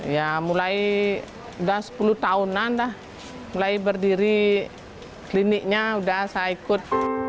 ya mulai udah sepuluh tahunan dah mulai berdiri kliniknya udah saya ikut